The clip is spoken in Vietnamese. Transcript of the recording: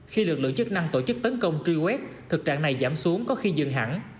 khi lực lượng chức năng tổ chức tấn công truy quét thực trạng này giảm xuống có khi dừng hẳn